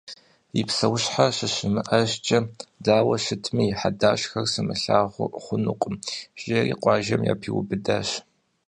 «И псэущхьэ щыщымыӀэжкӀэ дауэ щытми и хьэдащхьэр сымылъагъуу хъунукъым», – жери къуажэм япиубыдащ.